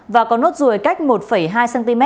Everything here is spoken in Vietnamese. và có nốt ruồi cách một hai cm